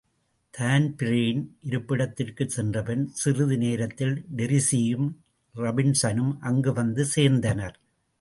Dan Breen இருப்பிடத்திற்குச் சென்றபின், சிறிது நேரத்தில் டிரீஸியும், ராபின்சனும் அங்கு வந்து சேர்ந்தனர்.